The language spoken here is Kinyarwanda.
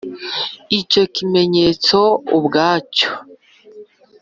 icyo kimenyetso ubwacyo,